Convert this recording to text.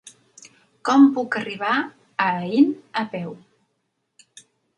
Com puc arribar a Aín a peu?